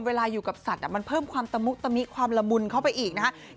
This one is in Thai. เวลาอยู่กับสัตว์มันเพิ่มความตะมุตะมิความละมุนเข้าไปอีกนะครับ